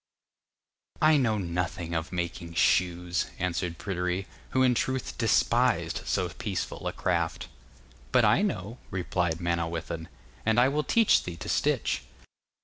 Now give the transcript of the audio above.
'I know nothing of making shoes,' answered Pryderi, who in truth despised so peaceful a craft. 'But I know,' replied Manawyddan, 'and I will teach thee to stitch.